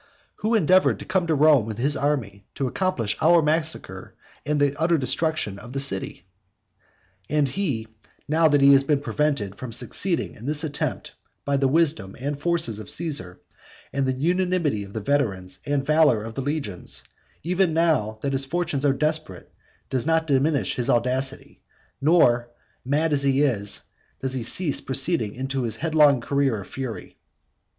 who endeavoured to come to Rome with his army to accomplish our massacre and the utter destruction of the city? And he, now that he has been prevented from succeeding in this attempt by the wisdom and forces of Caesar, and the unanimity of the veterans, and the valour of the legions, even now that his fortunes are desperate, does not diminish his audacity, nor, mad that he is, does he cease proceeding in his headlong career of fury.